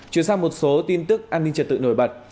chuyển sang một số tin tức an ninh trật tự nổi bật